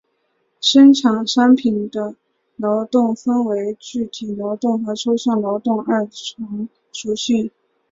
生产商品的劳动分为具体劳动和抽象劳动二重属性。